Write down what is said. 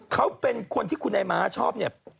เขาเป็นคนที่คุณนายม้าชอบเนี่ย